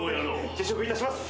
辞職いたします。